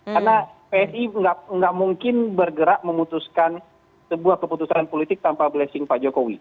karena psi nggak mungkin bergerak memutuskan sebuah keputusan politik tanpa blessing pak jokowi